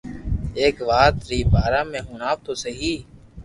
ايڪ وات ري بارا ۾ ھڻاو تو سھي